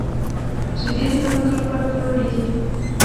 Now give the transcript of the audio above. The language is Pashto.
شیدې د هډوکو لپاره پياوړې دي